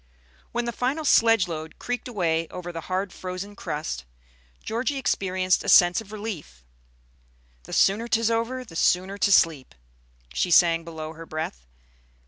When the final sledge load creaked away over the hard frozen crust, Georgie experienced a sense of relief. "The sooner 'tis over, the sooner to sleep," she sang below her breath.